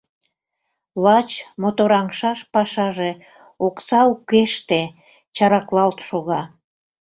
Лач мотораҥшаш пашаже окса укеште чараклалт шога.